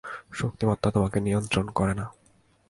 শক্তিমত্তা তোমাকে নিয়ন্ত্রণ করে না।